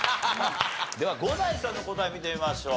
では伍代さんの答え見てみましょう。